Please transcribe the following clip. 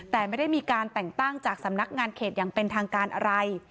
แต่ไม่ได้มีการแต่งตั้งจากสำนักงานเขตอย่างเป็นทางการอะไร